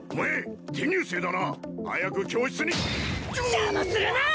邪魔するな！